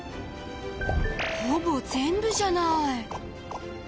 ほぼ全部じゃない。